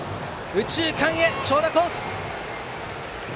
右中間、長打コース！